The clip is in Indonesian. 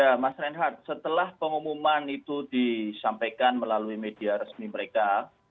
ya mas reinhardt setelah pengumuman itu disampaikan melalui media resmi mereka